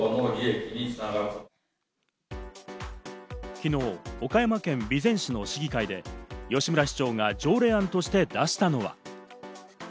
昨日、岡山県備前市の市議会で吉村市長が条例案として出したのは。